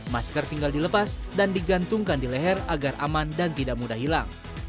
masker tinggal dilepas dan digantungkan di leher agar aman dan tidak mudah hilang